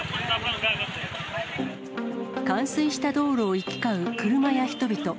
冠水した道路を行き交う車や人々。